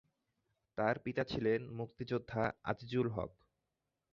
তার পিতা ছিলেন মুক্তিযোদ্ধা আজিজুল হক।